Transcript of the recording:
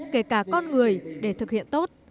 kể cả con người để thực hiện tốt